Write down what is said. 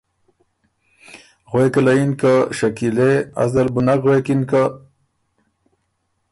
غوېکه له یِن که ”شکیلے! از دل بُو نک غوېکِن که